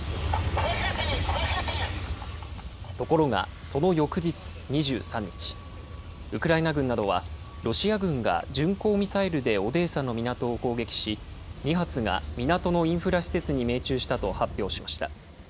ところが、その翌日２３日、ウクライナ軍などはロシア軍が巡航ミサイルでオデーサの港を攻撃し、２発が港のインフラ施設に命中したと発表しました。